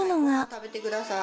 ・食べてください。